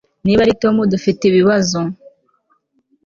Niba ari Tom dufite ibibazo